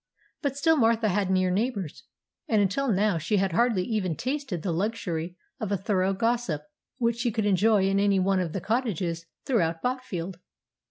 But still Martha had near neighbours; and until now she had hardly even tasted the luxury of a thorough gossip, which she could enjoy in any one of the cottages throughout Botfield.